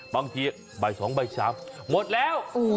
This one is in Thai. บางทีใบ๒ใบ๓หมดแล้ว